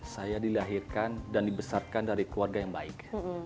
saya dilahirkan dan dibesarkan dari keluarga yang baik